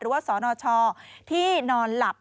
หรือว่าสนชาติที่นอนหลับ